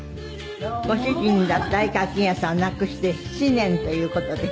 ご主人だった愛川欽也さんを亡くして７年という事で。